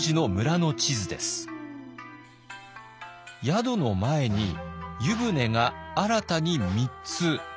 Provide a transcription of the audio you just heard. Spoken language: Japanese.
宿の前に湯船が新たに３つ。